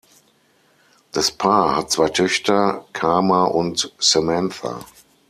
Das Paar hat zwei Töchter, Kama und Samantha.